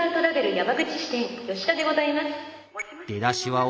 山口支店吉田でございます。